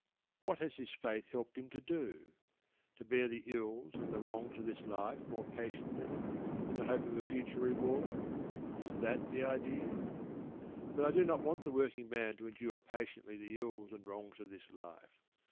What has this faith helped him to do? To bear the ills and the wrongs of this life more patiently, in the hope of a future reward? Is that the idea? But I do not want the working man to endure patiently the ills and wrongs of this life.